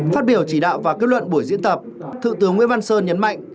phát biểu chỉ đạo và kết luận buổi diễn tập thượng tướng nguyễn văn sơn nhấn mạnh